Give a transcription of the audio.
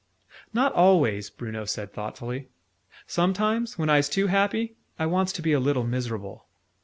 "Not always," Bruno said thoughtfully. "Sometimes, when I's too happy, I wants to be a little miserable.